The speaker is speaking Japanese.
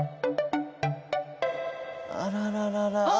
あららららああ！